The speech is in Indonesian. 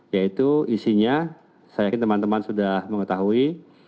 yaitu isinya saya yakin teman teman sudah mengetahui